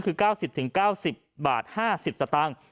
คือ๙๐๙๐บาท๕๐สตางค์